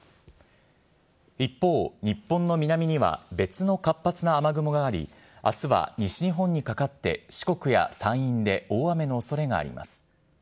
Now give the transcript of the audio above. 一方、日本の南には別の活発な雨雲があり、あすは西日本にかかって、四国や山陰で大雨のおそれがあります。